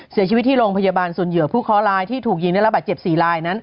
เสียชีวิตที่โรงพยาบาลส่วนเหยื่อผู้เคาะลายที่ถูกยิงได้รับบาดเจ็บ๔ลายนั้น